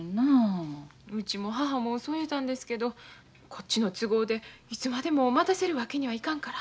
うちも母もそう言うたんですけど「こっちの都合でいつまでも待たせるわけにはいかんから」